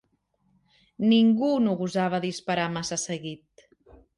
Ningú no gosava disparar massa seguit